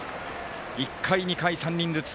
１回、２回、３人ずつ。